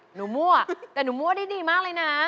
มั่วแต่หนูมั่วได้ดีมากเลยนะ